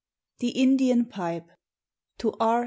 THE INDIAN PIPE. (TO R.